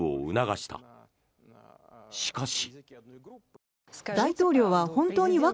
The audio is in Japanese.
しかし。